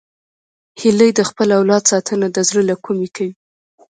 هیلۍ د خپل اولاد ساتنه د زړه له کومي کوي